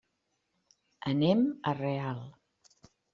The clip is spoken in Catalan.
Anem a Real.